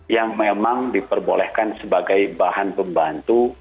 yang memang diperbolehkan sebagai bahan pembantu